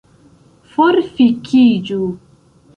Forfikiĝu